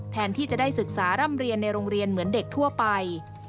แทนที่จะได้ศึกษาร่ำเรียนในโรงเรียนเหมือนเด็กทั่วไป